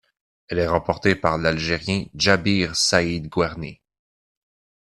Elle est remportée par l'Algérien Djabir Saïd-Guerni.